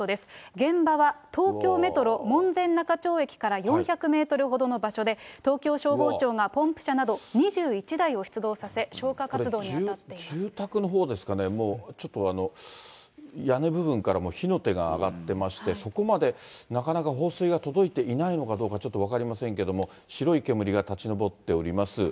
現場は東京メトロ門前仲町駅から４００メートルほどの場所で、東京消防庁がポンプ車など２１台を出動させ、これ、住宅のほうですかね、もうちょっと屋根部分からも火の手が上がってまして、そこまでなかなか放水が届いていないのかどうか分かりませんけども、白い煙が立ちのぼっております。